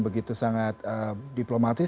begitu sangat diplomatis